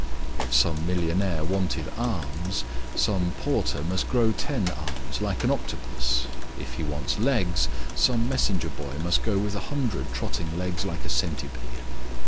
If some millionaire wanted arms, some porter must grow ten arms like an octopus; if he wants legs, some messenger boy must go with a hundred trotting legs like a centipede.